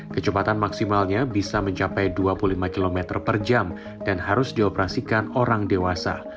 kecepatan maksimalnya bisa mencapai dua puluh lima km per jam dan harus dioperasikan orang dewasa